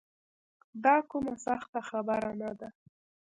دا کومه سخته خبره نه ده.